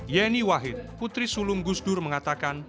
yeni wahid putri sulung gusdur mengatakan